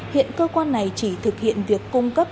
hiện cơ quan này chỉ thực hiện việc cung cấp